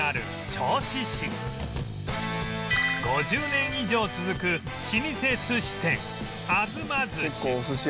５０年以上続く老舗寿司店あづま寿司